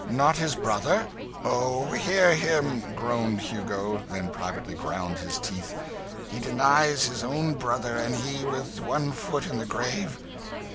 not his brother?" "Oh, hear him!" groaned Hugo, then privately ground his teeth. "He denies his own brother and he with one foot in the grave!"